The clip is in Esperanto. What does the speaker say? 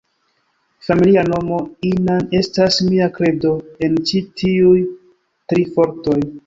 Familia nomo Inan estas mia kredo en ĉi tiuj tri fortoj.